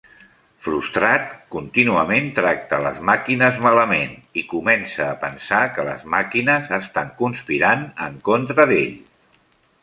Frustrat, contínuament tracta a les màquines malament i comença a pensar que les màquines estan conspirant en contra d'ell.